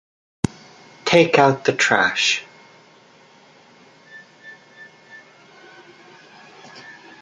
Take out the trash.